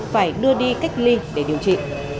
phải đưa đi cách ly để điều trị